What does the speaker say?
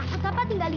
hah iniakes usual